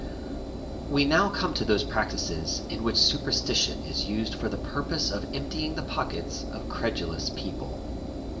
We now come to those practices in which superstition is used for the purpose of emptying the pockets of credulous people.